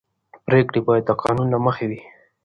پرېکړې باید د قانون له مخې وي